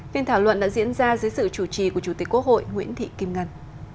phiên thảo luận đã diễn ra dưới sự chủ trì của chủ tịch quốc hội nguyễn thị kim ngân